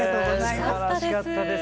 すばらしかったです。